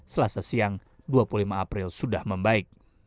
selasa siang dua puluh lima april sudah membaik